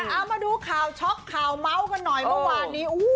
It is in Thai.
เอามาดูข่าวช็อกข่าวเมาส์กันหน่อยเมื่อวานนี้